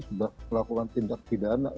sudah melakukan tindak pidana